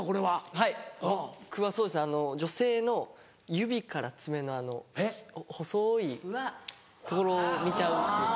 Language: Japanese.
はい僕はそうですね女性の指から爪の細いところを見ちゃうっていうか。